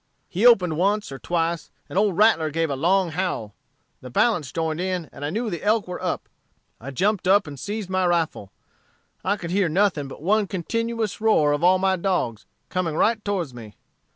He opened once or twice, and old Rattler gave a long howl; the balance joined in, and I knew the elk were up. I jumped up and seized my rifle. I could hear nothing but one continued roar of all my dogs, coming right towards me.